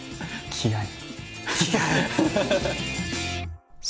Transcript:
気合い。